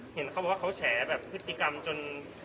เห็นเขาบอกว่าเขาแฉแบบพฤติกรรมจน